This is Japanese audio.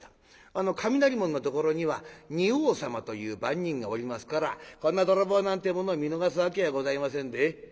あの雷門のところには仁王様という番人がおりますからこんな泥棒なんてぇものを見逃すわけございませんで。